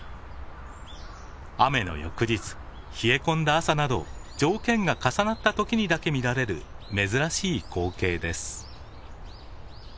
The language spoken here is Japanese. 雨の翌日冷え込んだ朝など条件が重なった時にだけ見られる珍しい光景です。